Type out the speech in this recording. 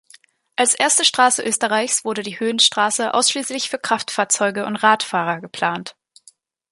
Als erste Straße Österreichs wurde die Höhenstraße ausschließlich für Kraftfahrzeuge und Radfahrer geplant.